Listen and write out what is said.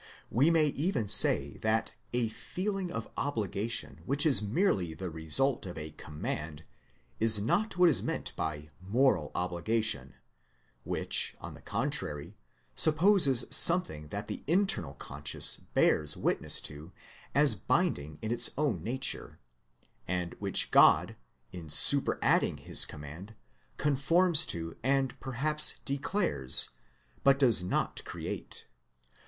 We may even say that a feeling of obligation which is merely the result of a command is not what is meant by moral obligation, which, on the contrary, supposes something that the internal conscience bears witness to as binding in its own nature; and which God, in superadding his command, conforms to and per THE ARGUMENT FROM CONSCIOUSNESS 165 haps declares, but does not create.